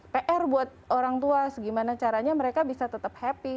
pr buat orang tua gimana caranya mereka bisa tetap happy